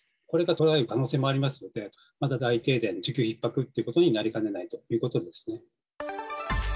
これが途絶える可能性もありますので、また大停電、需給ひっ迫ってことになりかねないということですね。